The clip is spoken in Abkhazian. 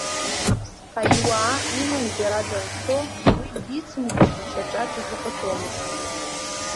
Аԥсҳа иуаа иман џьара данцо уи дицымкәагьы шьаҿак изыҟаҵомызт.